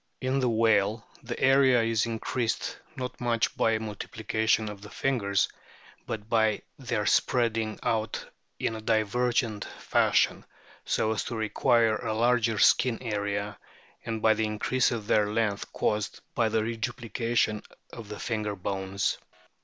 In the whale the area is increased, not much by a multiplication of the fingers, but by their spreading out in a divergent fashion, so as to require a larger skin area, and by the increase of their length caused by the reduplication of the finger bones.